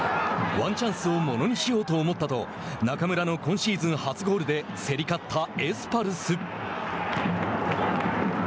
ワンチャンスをものにしようと思ったと中村の今シーズン初ゴールで競り勝ったエスパルス。